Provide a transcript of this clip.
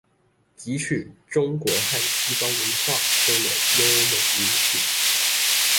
擷取中國和西方文化中的優美因素